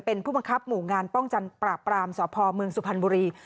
เป็นผู้บังคับหมู่งานป้องกันปราบปรามสพเมืองสุพรรณบุรี